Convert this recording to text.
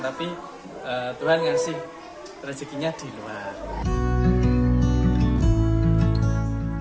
tapi tuhan memberi rezeki di luar